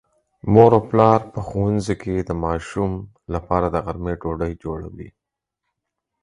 مور او پلار په ښوونځي کې د ماشوم لپاره د غرمې ډوډۍ جوړوي.